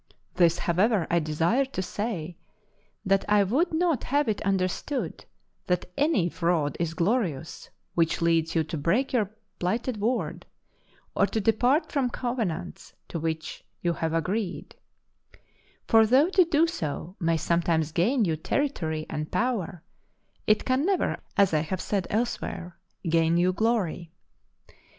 This, however, I desire to say, that I would not have it understood that any fraud is glorious which leads you to break your plighted word, or to depart from covenants to which you have agreed; for though to do so may sometimes gain you territory and power, it can never, as I have said elsewhere, gain you glory.